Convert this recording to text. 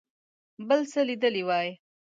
بل څه لیدلي وای.